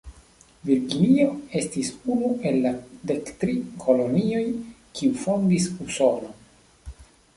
Virginio estis unu el la dektri kolonioj, kiuj fondis Usonon.